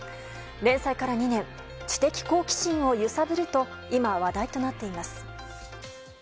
連載から２年知的好奇心を揺さぶると今、話題となっています。